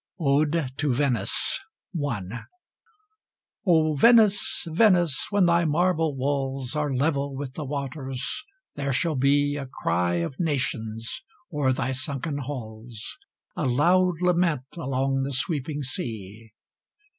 ODE TO VENICE I O Venice! Venice! when thy marble walls Are level with the waters, there shall be A cry of nations o'er thy sunken halls, A loud lament along the sweeping sea!